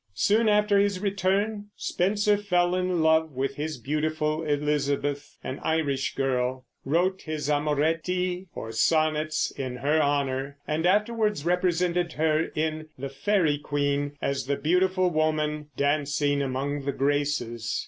Soon after his return, Spenser fell in love with his beautiful Elizabeth, an Irish girl; wrote his Amoretti, or sonnets, in her honor; and afterwards represented her, in the Faery Queen, as the beautiful woman dancing among the Graces.